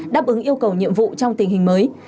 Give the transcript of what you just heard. đáp ứng yêu cầu nhiệm vụ trong tình hình mới